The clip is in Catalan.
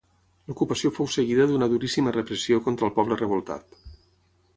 L'ocupació fou seguida d'una duríssima repressió contra el poble revoltat.